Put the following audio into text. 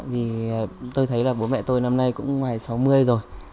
vì tôi thấy là bố mẹ tôi năm nay cũng ngoài sáu mươi rồi